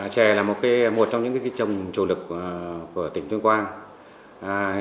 chè là một trong những cây trồng chủ lực của tỉnh tuyên quang